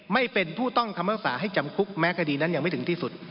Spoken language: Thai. ไม่เป็นผู้ต้องคำภาษาให้จำคุกแม้คดีนั้นยังไม่ถึงที่สุด